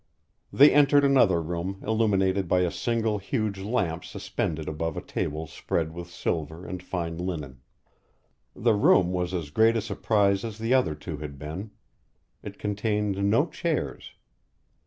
They entered another room illuminated by a single huge lamp suspended above a table spread with silver and fine linen. The room was as great a surprise as the other two had been. It contained no chairs.